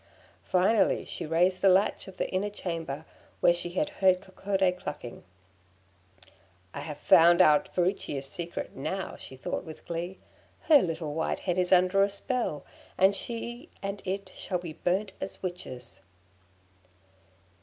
Finally, she raised the latch of the inner chamber, where she had heard Coccodé clucking. 'I have found out Furicchia's secret now,' she thought with glee. 'Her little white hen is under a spell, and she and it shall be burnt as Witches.'